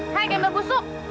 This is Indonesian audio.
hai gember gusuk